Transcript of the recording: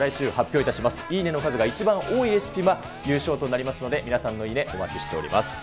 いいねの数が一番多いレシピが優勝となりますので、皆さんのいいね、お待ちしています。